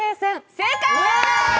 正解！